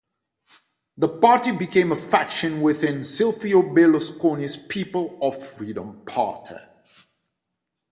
The party became a faction within Silvio Berlusconi's People of Freedom party.